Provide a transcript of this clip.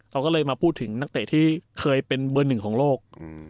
เขาก็เลยมาพูดถึงนักเตะที่เคยเป็นเบอร์หนึ่งของโลก